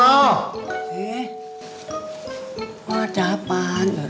eh apa ada apaan